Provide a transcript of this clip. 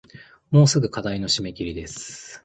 もうすぐ課題の締切です